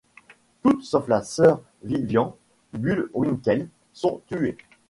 Toutes sauf la sœur Vivian Bullwinkel sont tuées.